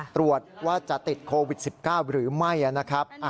ตรวจว่าจะติดโควิด๑๙หรือไม่นะครับ